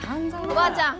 おばあちゃん